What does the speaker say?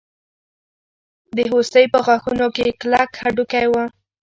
د هوسۍ په غاښونو کې کلک هډوکی دی.